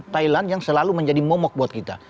thailand yang selalu menjadi momok buat kita